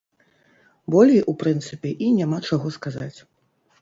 Болей, у прынцыпе, і няма чаго сказаць.